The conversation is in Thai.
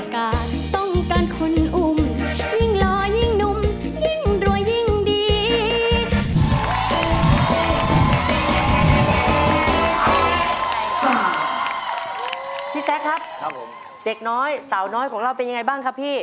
เด็กน้อยสาวน้อยของเราเป็นยังไรบ้างครับพี่